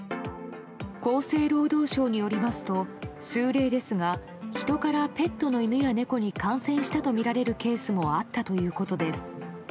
厚生労働省によりますと数例ですが人からペットの犬や猫に感染したとみられるケースもあったということです。